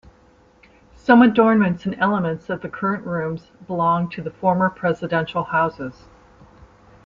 Some adornments and elements of the current rooms belonged to the former presidential houses.